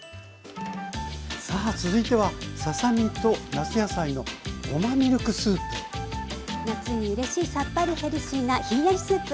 さあ続いては夏にうれしいさっぱりヘルシーなひんやりスープ。